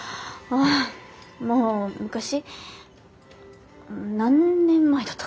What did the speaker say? ああもう昔何年前だったかな。